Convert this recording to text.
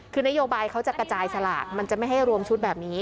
คือนโยบายเขาจะกระจายสลากมันจะไม่ให้รวมชุดแบบนี้